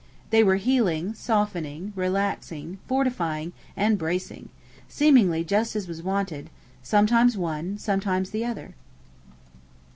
They were healing, softening, relaxing, fortifying, and bracing, seemingly just as was wanted; sometimes one, sometimes the other.